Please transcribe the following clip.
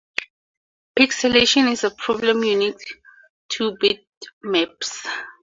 Pixelation is a problem unique to bitmaps.